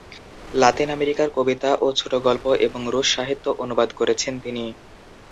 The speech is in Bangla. লাতিন আমেরিকার কবিতা ও ছোটগল্প এবং রুশ সাহিত্য অনুবাদ করেছেন তিনি।